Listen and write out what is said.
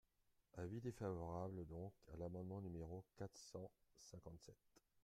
Avis défavorable donc à l’amendement numéro quatre cent cinquante-sept.